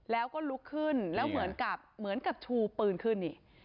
แล้วก็ลุกขึ้นแล้วเหมือนกับชูปืนขึ้น